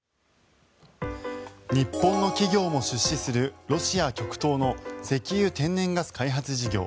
日本の企業も出資するロシア極東の石油・天然ガス開発事業